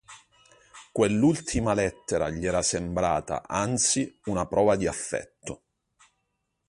Quell'ultima lettera gli era sembrata, anzi, una prova di affetto.